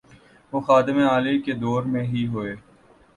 وہ خادم اعلی کے دور میں ہی ہوئے۔